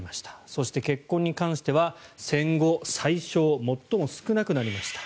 そして、結婚に関しては戦後最少最も少なくなりました。